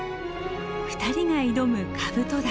２人が挑むカブト嶽。